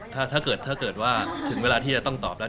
ถ้าเกิดว่าถึงเวลาที่จะต้องตอบแล้ว